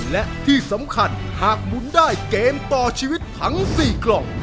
และที่สำคัญหากหมุนได้เกมต่อชีวิตทั้ง๔กล่อง